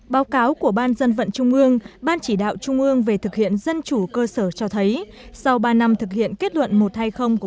báo cáo của ban dân vận trung ương ban chỉ đạo trung ương về thực hiện dân chủ cơ sở cho thấy sau ba năm thực hiện kết luận một trăm hai mươi của